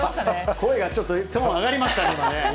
声がちょっと、上がりましたね。